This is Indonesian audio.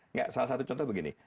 enggak salah satu contoh begini